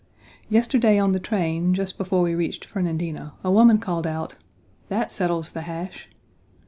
Yesterday on the train, just before we reached Fernandina, a woman called out: "That settles the hash."